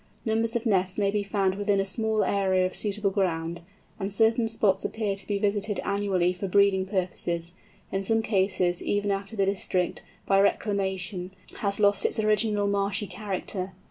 Numbers of nests may be found within a small area of suitable ground, and certain spots appear to be visited annually for breeding purposes, in some cases even after the district, by reclamation, has lost its original marshy character.